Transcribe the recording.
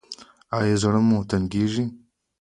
ایا زړه مو تنګیږي؟